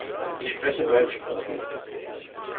Ich spreche beide Sprachen.